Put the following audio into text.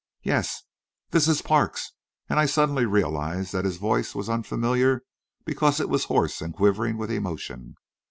"Yes." "This is Parks," and I suddenly realised that his voice was unfamiliar because it was hoarse and quivering with emotion.